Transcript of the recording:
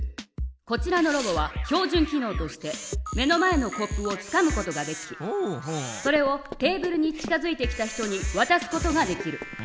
こちらのロボは標じゅん機のうとして目の前のコップをつかむことができそれをテーブルに近づいてきた人にわたすことができる。